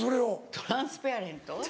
トランスペアレント？